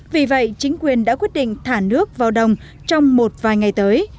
vì vậy chính quyền đã quyết định thả nước vào đồng trong một vài ngày tới